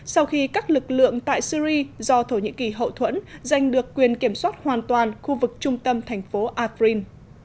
sau khi các lực lượng tại syri do thổ nhĩ kỳ hậu thuẫn giành được quyền kiểm soát hoàn toàn khu vực trung tâm thành phố afrin